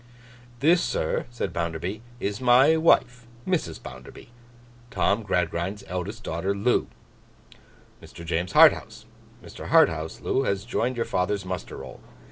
'This, sir,' said Bounderby, 'is my wife, Mrs. Bounderby: Tom Gradgrind's eldest daughter. Loo, Mr. James Harthouse. Mr. Harthouse has joined your father's muster roll.